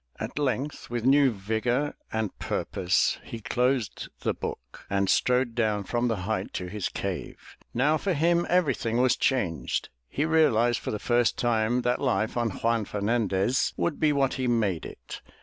At length with new vigor and purpose he closed the book and strode down from the height to his cave. Now for him everything was changed. He realized for the first time that life on Juan Fernandez would be what he made it.